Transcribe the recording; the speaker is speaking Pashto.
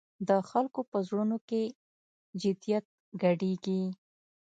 د خلکو په زړونو کې جدیت ګډېږي.